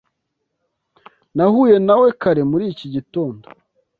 Nahuye na we kare muri iki gitondo.